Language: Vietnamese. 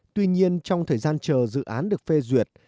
tuy nhiên trong thời gian chờ dự án được phê duyệt